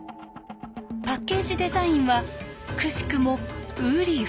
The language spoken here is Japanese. パッケージデザインはくしくもうり二つ。